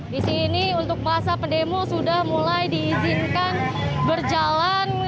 di sini untuk masa pendemo sudah mulai diizinkan berjalan